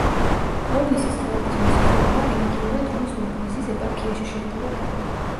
ყორნისის ხეობის მოსახლეობა რელიგიურად რუის-ურბნისის ეპარქიაში შედიოდა.